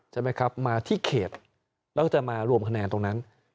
ใช่ไหมครับมาที่เขตแล้วก็จะมารวมคะแนนตรงนั้น